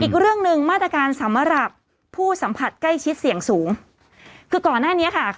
อีกเรื่องหนึ่งมาตรการสำหรับผู้สัมผัสใกล้ชิดเสี่ยงสูงคือก่อนหน้านี้ค่ะ